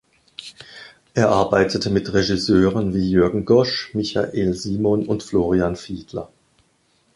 Er arbeitete mit Regisseuren wie Jürgen Gosch, Michael Simon und Florian Fiedler.